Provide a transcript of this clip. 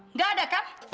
nggak ada kan